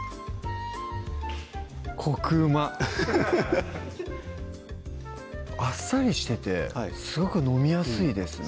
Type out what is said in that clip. こくうまあっさりしててすごく飲みやすいですね